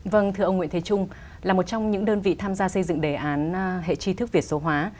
vâng thưa ông nguyễn thế trung là một trong những đơn vị tham gia xây dựng đề án hệ chi thức việt số hóa